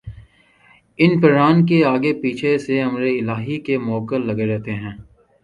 ان پران کے آگے پیچھے سے امرِالٰہی کے مؤکل لگے رہتے ہیں